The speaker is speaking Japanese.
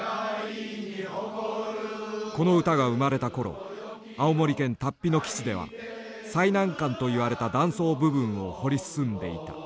この歌が生まれた頃青森県竜飛の基地では最難関といわれた断層部分を掘り進んでいた。